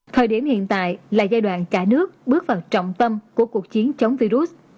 thời điểm hiện tại là giai đoạn cả nước bước vào trọng tâm của cuộc chiến chống virus